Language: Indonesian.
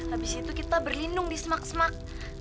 habis itu kita berlindung di semak semak